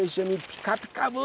「ピカピカブ！